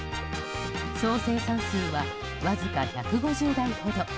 総生産数はわずか１５０台ほど。